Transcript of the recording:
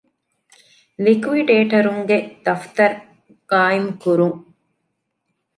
ލިކުއިޑޭޓަރުންގެ ދަފްތަރު ޤާއިމުކުރުން